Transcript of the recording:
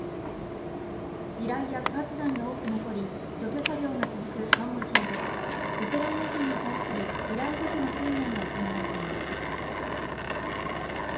地雷や不発弾が多く残り除去作業が続くカンボジアで、ウクライナ人に対する地雷除去の訓練が行われています。